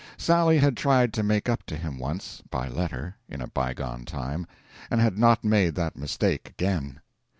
Sally had tried to make up to him once, by letter, in a bygone time, and had not made that mistake again.